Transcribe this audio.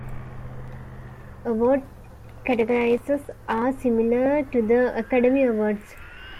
Award categories are similar to the Academy Awards.